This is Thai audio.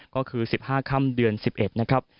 ก็คือ๑๕ค่ำเดือน๑๑นะครับ